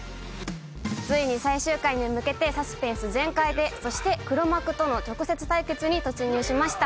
ついに最終回に向けて、サスペンス全開で、そして黒幕との直接対決に突入しました。